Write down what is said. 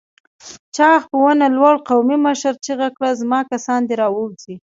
چاغ په ونه لوړ قومي مشر چيغه کړه! زما کسان دې راووځي!